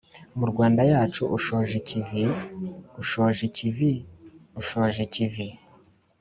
rwanda yacu ushoje ikivi , ushoje ikivi () ushoje ikivi ()